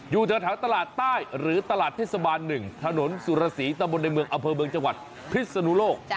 อยู่แถวตลาดใต้หรือตลาดเทศบาล๑ถนนสุรสีตะบนในเมืองอำเภอเมืองจังหวัดพิศนุโลก